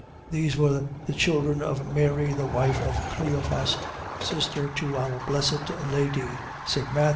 . .These were the children of Mary the wife of Cleophas, sister to our Blessed Lady, (St. Matt.